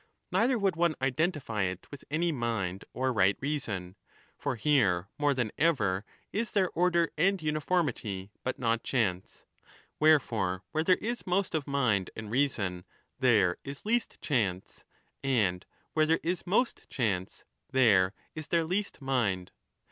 Neither would one identify it with any mind or right reason. For here more than ever is there order and uni formity, but not chance. Wherefore, where there is most of mind and reason, there is least chance, and where there 5 is most chance, there is there least mind